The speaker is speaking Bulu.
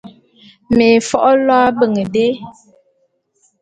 Me fo’o lo ábeñ dé.